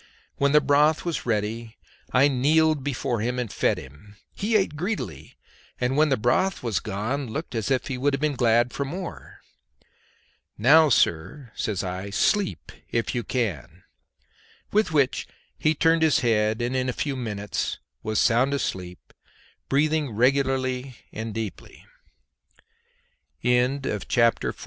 When the broth was ready I kneeled as before and fed him. He ate greedily, and when the broth was gone looked as if he would have been glad for more. "Now, sir," says I, "sleep if you can;" with which he turned his head and in a few minutes was sound asleep, breathing regularly and deeply. CHAPTER XV.